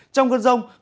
trong cơn rông